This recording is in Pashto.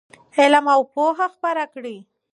علم او پوهه خپره کړئ.